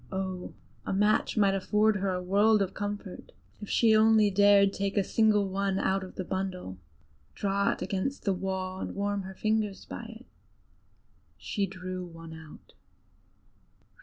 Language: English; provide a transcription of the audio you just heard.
Oh! a match might afford her a world of comfort, if she only dared take a single one out of the bundle, draw it against the wall, and warm her fingers by it. She drew one out.